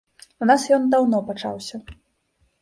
У нас ён даўно пачаўся.